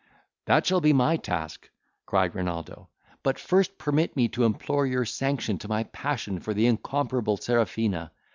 "That shall be my task," cried Renaldo, "but first permit me to implore your sanction to my passion for the incomparable Serafina.